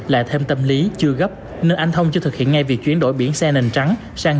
lại thêm tâm lý chưa gấp nên anh thông chưa thực hiện ngay việc chuyển đổi biển xe nền trắng sang